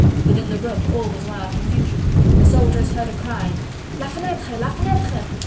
Within the room all was wild confusion. The soldiers had heard a cry: "La fenetre! La fenetre!"